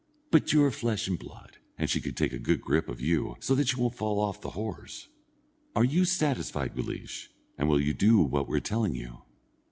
But you're flesh and blood, and she can take a good grip of you, so that she won't fall off the horse. Are you satisfied, Guleesh, and will you do what we're telling you?"